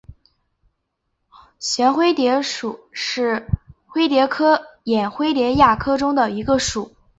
旋灰蝶属是灰蝶科眼灰蝶亚科中的一个属。